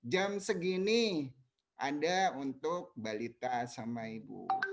jam segini ada untuk mbak lita sama ibu